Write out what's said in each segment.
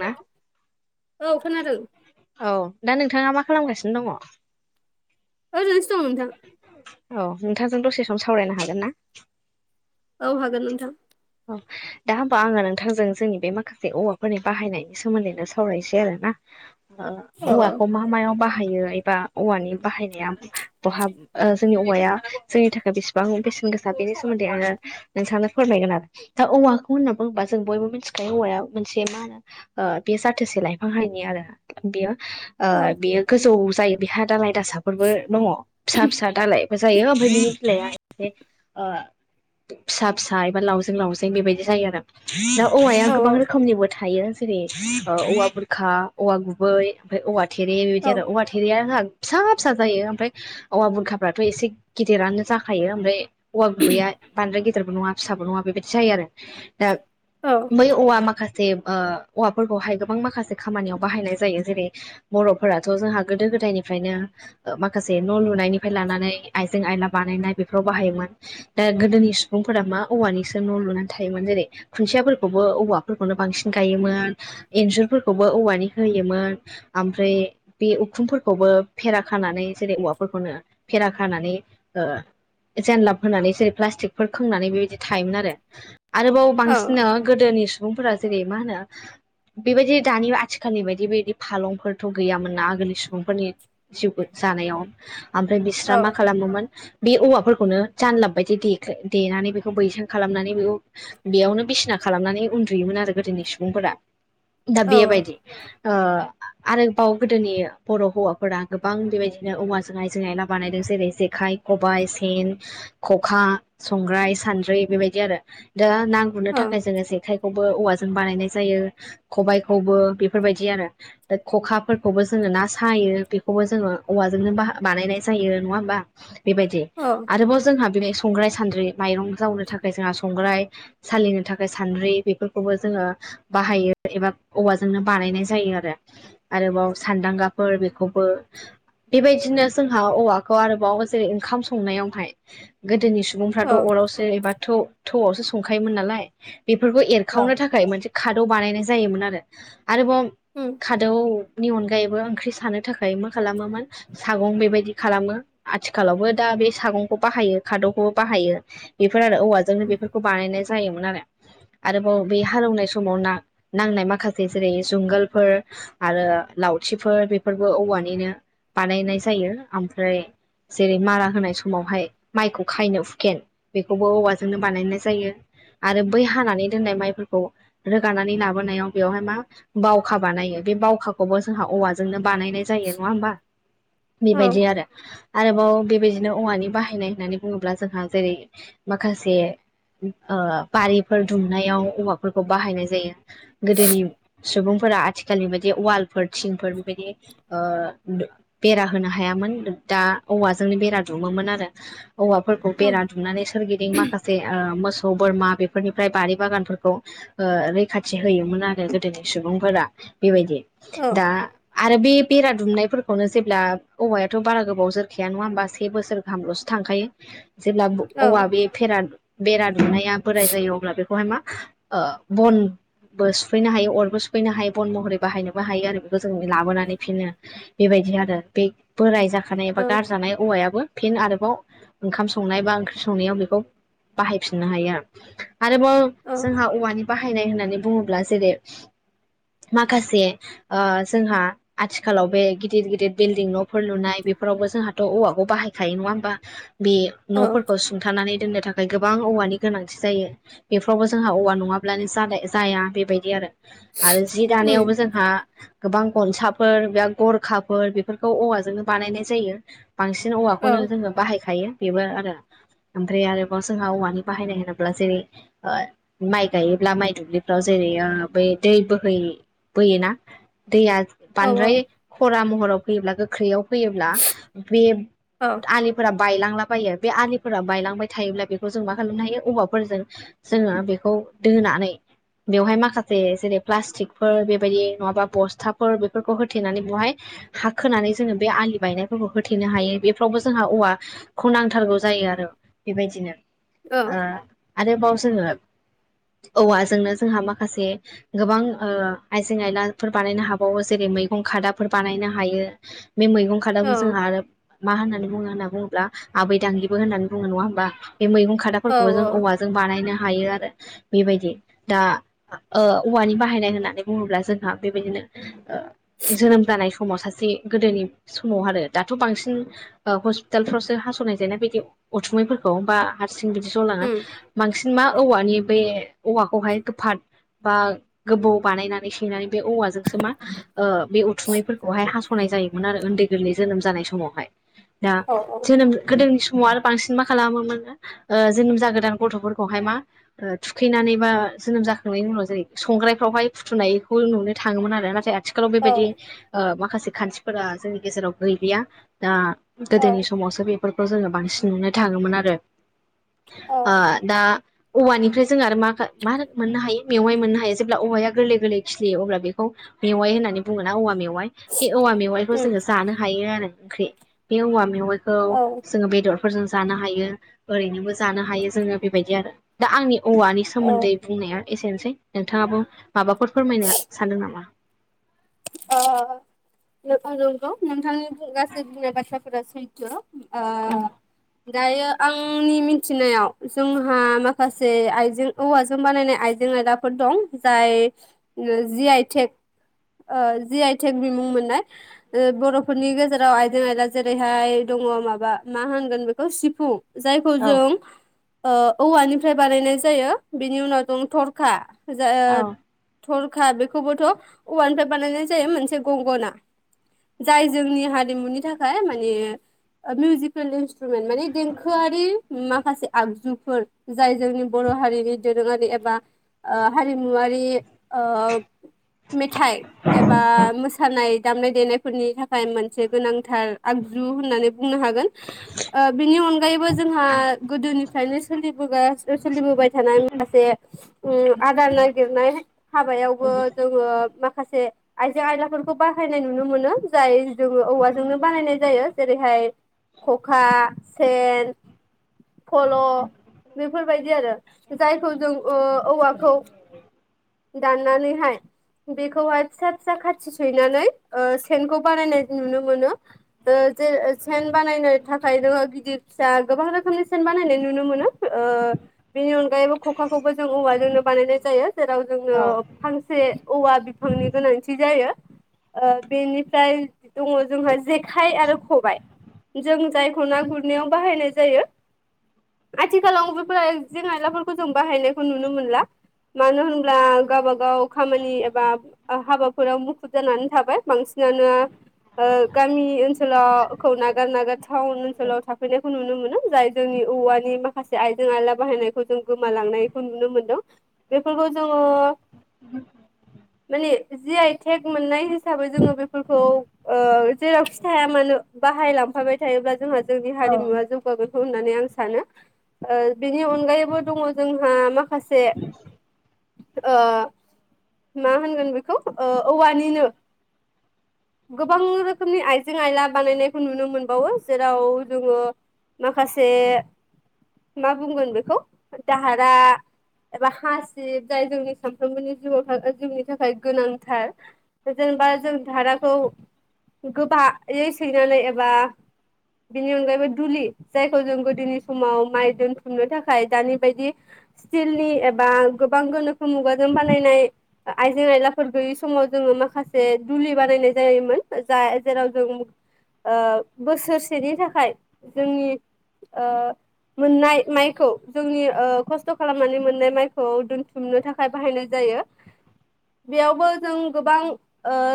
ना औ खोनादों औ दा नोंथाङा मा खालामगासिनो दङ। आरैनोसो जस्थ' नोंथां औ नोंथांजों दसे सम सावरायनो हागोन ना? औ हागोन नोंथां अ दा होमबा आङो नोंथांजों जोंनि बे माखासे औवाफोरनि बाहायनायनि सोमोन्दैनो सावरायसै आरो ना औ औवाखौ मा मायाव बाहायो एबा औवानि बाहायनाया बहा ओ जोंनि औवाया जोंनि थाखाय बेसेबां बेसेन गोसा बेनि सोमोन्दै आङो नोंसांनो फोरमायगोन आरो दा औवाखौ होनना बुङोबा जों बयबो मिथिखायो औवाया मोनसे मा होनो ओ बेयो जाथोसे लाइफां हायनि आरो बेयो ओ औ बेयो गोजौ जायो। बिहा दालाय दासाफोरबो दङ फिसा फिसा दालायबो जायो ओमफ्राय बिनि बिलाया एसे फिसा फिसा एबा लावजें लावजें बेबायदि जायो आरो दा औवाया औ गोबां औ रोखोमनिबो थायो। जेरै औवा बुरखा औवा गुबै ओमफ्राय औवा थेरे बेबायदि औ आरो औवा थे थेरयाहा फिसा फिसा जायो ओमफ्राय औवा बुरखाफ्राथ' एसे गिदिरानो जाखायो ओमफ्राय औवा गुबैया बांद्राय गिदिरबो नङा फिसाबो नङा बेबायदि जायो आरो दा औ बै औवा माखा से ओ औवाफोरखौहाय गोबां माखासे खामानियाव बाहायनाय जायो जेरै बर'फोराथ' जोंहा गोदो गोदायनिफ्रायनो ओ माखासे न' लुनायनिफ्राय लानानै आइजें आयला बानायनाय बेफोराव बाहायोमोन। ओ गोदोनि सुबुंफोरा मा औवानि सो न' लुनानै थायोमोन जेरै खुन्थियाफोरखौबो औवाफोरखौनो बांसिन गायोमोन। इन्जुरफोरखौबो औवानि होयोमोन। ओमफ्राय बे उखुमफोरखौबो फेरा खानानै जेरै औवाफोरखौनो फेरा खानानै ओ जेनलाब होनानै जेरै प्लास्टिकफोर खोंनानै बेबायदि थायोमोन आ आरोबाव औ बांसिननो गोदोनि सुबुंफोरा जेरै मा होनो। बेबायदि दानि आथिखालनि बायदि बेबायदि फालंफोरथ' गैयामोना आगोलनि सुबुंफोरनि जिउ [unintelligible] जानायाव ओमफ्राय बिस्रा मा खालामोमोन बे औवाफोरखौनो जानलाब बायदि दे-देनानै बेखौ बैसां खालामनानै बेखौ बेयावनो बिसिना खालामनानै उन्दुयोमोन आरो गोदोनि सुबुंफोरा। दा औ बेयोबायदि ओ। आरोबाव गोदोनि बर' हौवाफोरा गोबां बेबायदिनो औवाजोंहाय आयजें आयला बानायदों जेरै जेखाइ खबाइ सेन खखा संग्राय सान्द्रि बेबायदि आरो दा ना औ गुरनो थाखाय जोङो जेखाइखौबो औवाजों बानायनाय जायो। खबाइखौबो बेफोरबायदि आरो। दा खखाफोरखौबो जोङो ना सायो बेखौबो जोङो औवाजोंनो बा-बानायनाय जायो नङा होमबा। बेबायदि औ आरोबाव जोंहा बेनि संग्राय सान्द्रि माइरं जावनो थाखाय जोंहा संग्राय सालिनो थाखाय सान्द्रि बेफोरखौबो जोङो बाहायो एबा औवाजोंनो बानायनाय जायो आरो। आरोबाव सान्दांगाफोर बेखौबो बेबायदिनो जोंहा औवाखौ आरोबाव जेरै ओंखाम संनायावहाय गोदोनि सुबुंफ्राथ' अरावसो एबा थौ-थौआवसो संखायोमोन नालाय। बेफोरखौ औ एरखावनो थाखाय मोनसे खादौ बानायनाय जायोमोन आरो। आरोबाव उम खादौनि अनगायैबो ओंख्रि सानो थाखाय मा खालामोमोन सागुं बेबायदि खालामो। आथिखालावबो दा बे सागंखौ बाहायो खादौखौबो बाहायो बेफोर आ औवाजोंनो बेफोरखौ बानायनाय जायोमोन आरो। आरोबाव बे हालौवनाय समाव ना-नांनाय माखासे जेरै जुंगालफोर आरो लावथिफोर बेफोरबो औवानिनो बानायनाय जायो ओमफ्राय जेरै मारा होनाय समावहाय माइखौ खायनो हुखेन खौबो औवाजोंनो बानायनाय जायो आरो बै हानानै दोननाय माइफोरखौ रोगानानै लाबोनायाव बेवहाय मा बावखा बानायो बे बावखाखौबो जोंहा औवाज जोंनो बानायनाय जायो नङा होनबा औ बेबायदि आरो। आरोबाव बेबायदिनो औवानि बाहायनाय होननानै बुङोब्ला जोंहा जेरै माखासे ओ बारिफोर दुमनायाव औवाफोरखौ बाहायनाय जायो। गोदोनि सुबुंफोरा आथिखालनि बायदि वालफोर थिंफोर बेबायदि ओ बेरा होनो हायामोन दा औवाजोंनो बेरा दुमोमोन आरो। औवाफोरखौ औ बेरा दुमनानै सोरगिदिं माखासे ओ मोसौ बोरमा बेफोरनिफ्राय बारि बागानफोरखौ ओ रैखाथि होयोमोन आरो गोदोनि सुबुंफोरा बेबायदि। दा आरो बे बेरा दुमनायफोरखौनो जेब्ला औवायाथ' बारा गोबाव जोरखाया नङा होमबा से बोसोर गाहामलसो थांखायो। जेब्ला औ औवा बे फेरा बेरा दुमनाया बोराय जायो अब्ला बेखौहाय मा ओ बन बो सुफैनो हायो अरबो सुफैनो हायो बन महरै बाहायनोबो हायो आरो बेखौ जों लाबोनानै फिनो बेबायदि आरो बे बोराय जाखानाय एबा औ गारजानाय औवायाबो फिन आरोबाव ओंखाम संनाय बा ओं संनायाव बेखौ बाहायफिननो हायो आरोबाव औ उम औ जोंहा औवानि बाहायनाय होननानै बुङोब्ला जेरै माखासे ओ जोंहा आथिखालाव बे गिदिर-गिदिर बिल्डिं न'फोर लुनाय बेफोरावबो जोंहाथ' औवाखौ बाहायखायो नङा होमबा। बे औ न'फोरखौ सुंथानानै दोननो थाखाय गोबां औवानि गोनांथि जायो। बेफ्रावबो जोंहा औवा नङाब्लानो जानाय जाया बेबायदि आरो। आरो जि उम दानायावबो जोंहा गोबां गनसाफोर बे गरखाफोर बेफोरखौ औवाजोंनो बानायनाय जायो। बांसिन औ औवाखौनो जोङो बाहायखायो बेबो आरो। ओमफ्राय आरोबाव जोंहा औवानि बाहायनाय होनोब्ला जेरै ओ माइ गायोब्ला माइ दुब्लिफ्राव जेरै ओ बै दै बोहै बोयोना दैया औ बांद्राय खरा महराव फैयोब्ला गोख्रैयाव फैयोब्ला बे आलि फोर बायलांलाबायो बे आलि फोर बायलांबाय थायोब्ला बेखौ जों मा खालामनो हायो औवाफोरजों जोङो बेखौ दोनानै बेवहाय माखासे जेरै प्लास्टिकफोर बेबायदि नङाबा बस्थाफोर बेफोरखौ होथेनानै बेवहाय हा खोनानै जोङो बे आलि बायनायफोरखौ होथेनो हायो। बेफोरावबो जोंहा औवा खौ नांथारगौ जायो आरो बेबायदिनो। ओ आरोबाव जोङो औवाजोंनो जोंहा माखासे गोबा ओं आइजें आयलाफोर बानायनो हाबावो जेरै मैगं खादाफोर बानायनो हायो। बे मैगं खादाखौ जों आरो मा होननानै बुङो होनना बुङोब्ला आबै दांगिबो होननानै बुङो नङा होमबा। बे मैगं खादाफोरखौबो जों औ औवाजों बानायनो हायो आरो। बेबायदि। दा ओ औवानि बाहायनाय होननानै बुङोब्ला जोंहा बेबायदिनो जोनोम जानाय समाव सासे गोदोनि समाव आरो दाथ' बांसिन हस्पिटालफ्रावसो हास'नाय जायोना बि उथुमैफोरखौ बा हारसिं बिदि जलाङो। उम बांसिन मा औवानि बे औवाखौहाय गोफाद बा गोबौ बानायनानै सैनानै बे औवाजोंसो मा ओ बे उथुमैफोरखौहाय हास'नाय जायोमोन ओन्दै गोरलै जोनोम जानाय समावहाय। दा जोनोम गोदोनि समाव आरो बांसिन मा खालामोमोननो ओ जोनोम जागोदान गथ'फोरखौहाय मा ओ थुखैनानै बा जोनोम जाखांनायनि उनाव जेरै संग्रायफ्रावहाय फुथुनायखौ नुनो थाङोमोन आरो नाथाय आथिखालाव बेबायदि ओ माखासे खान्थिफोरा जोंनि गेजेराव गैलिया। दा गोदोनि समावसो बेफोरखौ जोङो बांसिन नुनो थाङोमोन आरो। ओ दा औवानिफ्राय जों आरो मा मा मोननो हायो मेवाइ मोननो हायो जेब्ला औवाया गोरलै गोरलै खिलियो अब्ला बेखौ मेवाइ होन्नानै बुङोना औवा मेवाइ बे औवा मेवाइखौ जोङो जानो हायो आरो ओंख्रि। बे औवा मेवाइखौ जोङो बेदर फोरजों जानो हायो ओरैनोबो जानो हायो जोङो बेबायदि आरो। दा आंनि औवानि औ औ ओ सोमोन्दै बुंनाया एसेनोसै नोंथाङाबो माबाफोर फोरमायनो सानदों नामा? अ नंगौ नोंथांनि गासै बुंनाय बाथ्राफोरा सैथो। ओ औ दायो आंनि मिथिनायाव जोंहा माखासे आइजें औवाजों बानायनाय आइजें आयला फोर दं। जाय जि आइटेक ओ जि आइटेक बिमुं मोननाय ओ बर'फोरनि गेजेराव आयदों आयला जेरैहाय दङ माबा मा होनगोन बेखौ सिफुं जायखौ औ जों ओ औवानिफ्राय बानायनाय जायो। बेनि उनाव दं थरखा ज ओ औ थरखा बेखौबोथ' औनिफ्राय बानायनाय जायो मोनसे गंगना। जाय जोंनि हारिमुनि थाखाय माने ओ मिउजिकेल इन्सट्रुमेन्ट माने देंखोआरि माखासे आगजुफोर जाय जोंनि बर' हारिनि दोरोङारि एबा ओ हारिमुवारि ओ मेथाइ एबा मोसानाय दामनाय देनायफोरनि थाखाय मोनसे गोनांथार आगजु होननानै बुंनो हागोन। ओ बेनि अनगायैबो जोंहा गोदोनिफ्रायनो सोलिबोगा सोलिबोबाय थानाय माखासे उम आदार नागिरनाय हाबायावबो जोङो माखासे आइजें आयलाफोरखौ बाहायनाय नुनो मोनो जाय जोङो औवाजोंनो बाहानायनाय जायो जेरैहाय खखा सेन फल' बेफोरबायदि आरो जायखौ जों औवाखौ दाननानैहाय बेखौहाय फिसा फिसा खाथि सैनानै सेनखौ बानायनाय नुनो मोनो। ज सेन बानायनो थाखाय नोङो गिदिर फिसा गोबां रोखोमनि सेन बानायनाय नुनो मोनो। बेनि अनगायैबो खखाखौबो जों औवाजोंनो बानायनाय जायो जेराव जोंनो। फांसे औवा बिफांनि गोनांथि जायो ओ बेनिफ्राय दङ जोंहा जेखाइ आरो खबाइ जों जायखौ ना गुरनायाव बाहायनाय जायो। आथिखालाव बेफोर जें आइलाफोरखौ जों बाहायनायखौ नुनो मोनला। मानो होनब्ला गावब गाव खामानि एबा हाबाफोराव मुखुब जानानै थाबाय बांसिनानो गामि ओनसोलाव नागार नागार टाउन ओनसोलाव थाफैनायखौ नुनो मोनो जाय जोंनि औवानि माखासे आयजें आयला बाहायनायखौ जों गोमालांनायखौ नुनो मोनदों। बेफोरखौ जोङो माने जि आइटेक मोननाय हिसाबै जोङो बेफोरखौ ओ जेरावखि थाया मानो बाहायलांफाबाय थायोब्ला जोंहा जोंनि हारिमुवा जों खौ होननानै आं सानो। बिनि अनगायैबो दङ जोंहा माखासे ओ मा होनगोन बेखौ औवानिनो गोबां रोखोमनि आइजें आयला बानायनायखौ नुनो मोनबावो जेराव जोङो माखासे मा बुंगोन बेखौ दाहारा एबा हासिब जाय जोंनि सानफ्रोमबोनि जिउआव थागोन जोंनि थाखाय गोनांथार जेनेबा जों धाराखौ गोबायै सैनानैालाय एबा बेनि अनगायैबो दुलि जायखौ जों गोदोनि समाव माइ दोनथुमनो थाखाय दानि बायदि सिलनि एबा गोबां गोनोखो मुगाजों बानायनाय आइजें आयलाफोर गैयि समाव जोङो माखासे दुलि बानायनाय जायोमोन ज जेराव जों ओ बोसोरसेनि थाखाय जोंनि ओ मोननाय माइखौ जोंनि खस्थ' खालामनानै मोननाय माइखौ दोनथुमनो थाखाय बाहायनाय जायो। बेयावबो जों गोबां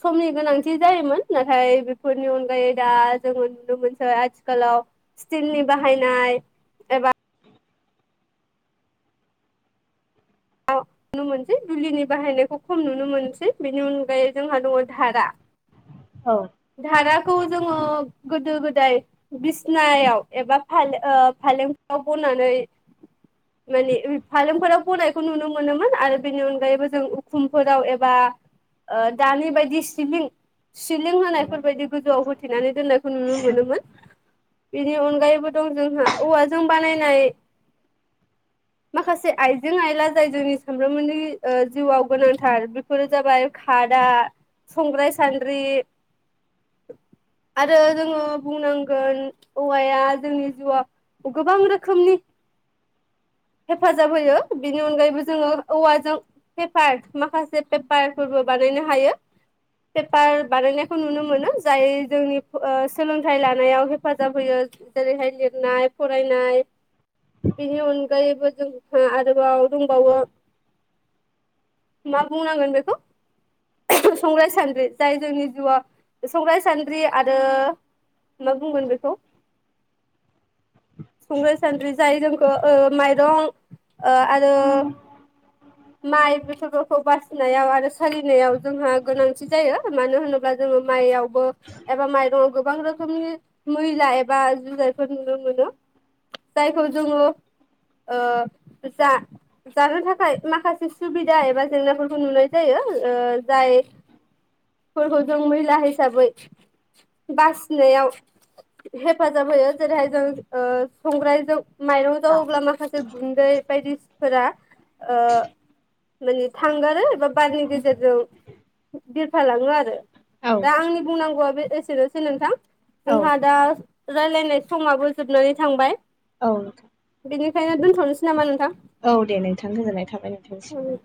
समनि गोनांथि जायोमोन नाथाय बेफोरनि अनगायै दा जोङो नुनो मोनसै आथि आथिखालाव स्टिलनि बाहायनाय एबा नुनो मोनसै दुलिनि बाहायनायखौ खम नुनो मोनसै बेनि अनगायै जोंहा दङ धारा औ धाराखौ जोङो गोदो गोदाय बिसनायाव एबा फाले ओ फालेंफोराव बनानै माने फालेंफोराव बनाय खौ नुनो मोनोमोन आरो बेनि अनगायैबो जों उखुमफोराव एबा ओ दानि बायदि सिलिं सिलिं होनायफोरबायायदि गोजौआव होथेनानै दोननाय खौ नुनो मोनोमोन बेनि अनगायैबो दं जोंहा औवाजों बानायनाय माखासे आइजें आइला जाय जोंनि सानब्रामबोनि ओ जिउआव गोनांथार बेफोरो जाबाय कार दा संग्राय सान्द्रि आरो जोङो बुंनांगोन औवाया जोंनि जिउआव गोबां रोखोमनि हेफाजाब होयो बेनि अनगायैबो जोङो। औवाजों पेपार माखासे पेपारफोरबो बानायनो हायो। पेपार बानायनायखौ नुनो मोनो जाय जोंनि प सोलोंथाइ लानायाव हेफाजाब होयो। जेरै हाय लिरनाय फरायनाय बेनि अन जायोबो जों हा आरोबाव दंबावो। मा बुंनांगोन बेखौ संग्राय सान्द्रि जाय जोंनि जिउआ संग्राय सान्द्रि आरो मा बुंगोन बेखौ? संग्राय सान्द्रि जाय जोंखो ओ माइरं ओ आरो [inaudible] माइ बेसरफोरखौ बासिनायाव आरो सोलिनायाव जोंहा गोनांथि जायो। मानो होनो ब्ला जोङो माइयावबो एबा माइरंआव गोबां रोखोमनि मैला एबा जुजायफोर नुनो मोनो। जायखौ जोङो ओ गोजा जानो थाखाय माखासे सुबिदा एबा जेंनाफोरखौ नुनाय जायो। ओ जाय फोरखौ जों मैला हिसाबै बासिनायाव हेफाजाब होयो। जेरै हाय जों ओ संग्रायजों माइरं जावोब्ला माखासे गुन्दै बायदिसफोरा ओ माने थांगारो आरो एबा बारनि गेजेरजों बिरफालाङो आरो। औ दा आंनि बुंनांगौआ बे एसेनोसै नोंथां। औ जोंहा दा रायलायनाय समाबो जोबनानै थांबाय। औ नोंथां। बेनिखायनो दोनथ'नोसै नामा नोंथां? औ दे नोंथां गोजोननाय थाबाय नोंथांनिसिमबो।